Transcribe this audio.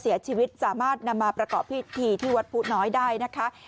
เสียชีวิตสามารถนำมาประกอบพิธีที่วัดผู้น้อยได้นะคะ